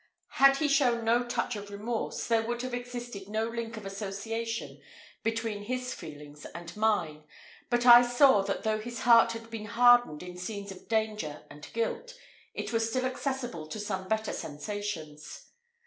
Had he shown no touch of remorse, there would have existed no link of association between his feelings and mine; but I saw that though his heart had been hardened in scenes of danger and guilt, it was still accessible to some better sensations.